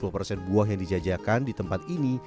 dua puluh persen buah yang dijajakan di tempat ini